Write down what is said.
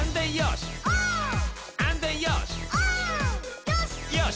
よし！